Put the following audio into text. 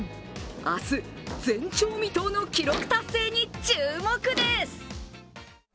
明日、前鳥未到の記録達成に注目です。